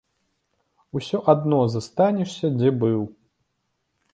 Усё адно застанешся дзе быў.